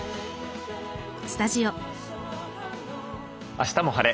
「あしたも晴れ！